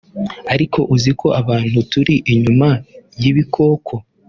ariko uzi ko abantu turi inyuma y’ibikoko